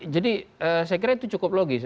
jadi saya kira itu cukup logis